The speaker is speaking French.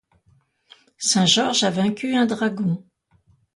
St Georges a vaincu un dragon